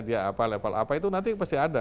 dia apa level apa itu nanti pasti ada